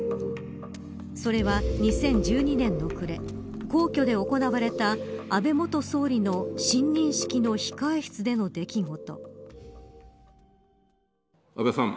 それは２０１２年の暮れ皇居で行われた安倍元総理の信任式の控え室での出来事。